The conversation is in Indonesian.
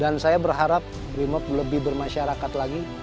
dan saya berharap brimop lebih bermasyarakat lagi